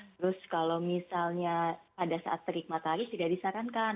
terus kalau misalnya pada saat terikmat hari tidak disarankan